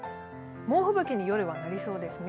猛吹雪に夜はなりそうですね。